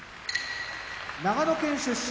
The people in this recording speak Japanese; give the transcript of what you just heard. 長野県出身